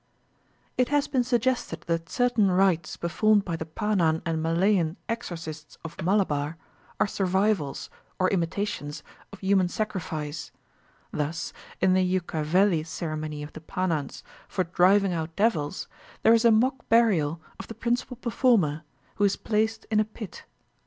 It has been suggested that certain rites performed by the Panan and Malayan exorcists of Malabar are survivals, or imitations of human sacrifice. Thus, in the Ucchaveli ceremony of the Panans for driving out devils, there is a mock burial of the principal performer, who is placed in a pit.